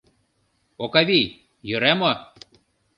— Окавий, йӧра мо?